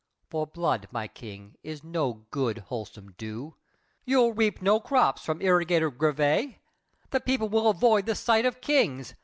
For blood, my king, is no good, wholesome dew. You'll reap no crops from irrigated Grève! The people will avoid the sight of kings.